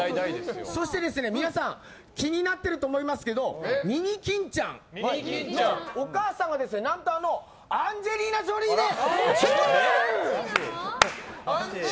そして、皆さん気になっていると思いますけどミニキンちゃんのお母様ですがアンジェリーナ・ジョリーです！